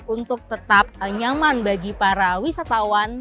untuk tetap nyaman bagi para wisatawan